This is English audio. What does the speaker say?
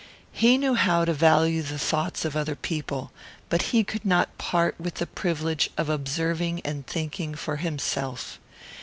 He knew how to value the thoughts of other people, but he could not part with the privilege of observing and thinking for himself.